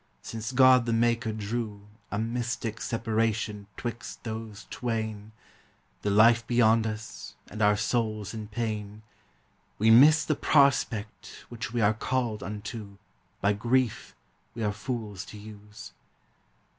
since God the maker drew A mystic separation 'twixt those twain, The life beyond us and our souls in pain, We miss the prospect which we are called unto By grief we are fools to use.